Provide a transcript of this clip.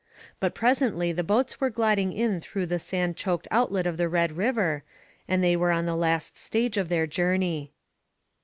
But presently the boats were gliding in through the sand choked outlet of the Red River, and they were on the last stage of their journey.